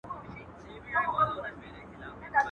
دوستانه محفلونه خوشالي زیاتوي